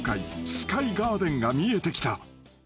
［スカイガーデンが見えてきた］